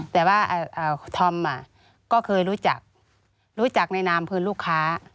แต่ว่าธอมก็เคยรู้จักรู้จักในนามคือลูกค้า